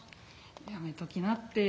「やめときなって。